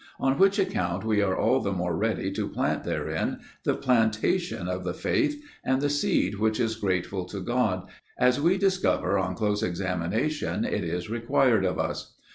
On which account, we are all the more ready to plant therein, the plantation of the Faith, and the seed which is grateful to God, as we discover on close examination it is required of us.